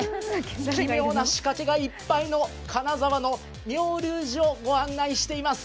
奇妙な仕掛けがいっぱいの金沢の妙立寺をお伝えしています。